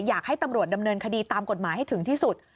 อยากให้ตำรวจดำเนินคดีตามกฎหมายให้ถึงที่สุด